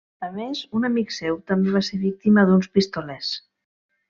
A més, un amic seu també va ser víctima d'uns pistolers.